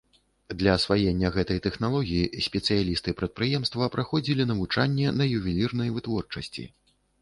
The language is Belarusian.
Для асваення гэтай тэхналогіі спецыялісты прадпрыемства праходзілі навучанне на ювелірнай вытворчасці.